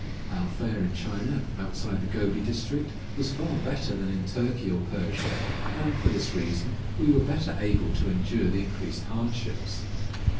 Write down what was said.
Our fare in China, outside the Gobi district, was far better than in Turkey or Persia, and, for this reason, we were better able to endure the increased hardships.